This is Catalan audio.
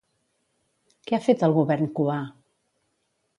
Què ha fet el Govern cubà?